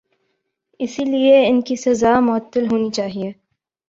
اسی لئے ان کی سزا معطل ہونی چاہیے۔